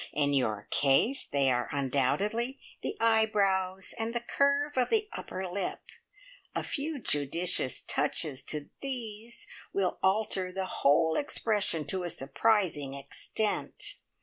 In your case they are undoubtedly the eyebrows and the curve of the upper lip. A few judicious touches to these will alter the whole expression to a surprising extent.